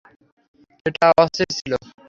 এটা অস্থির ছিল।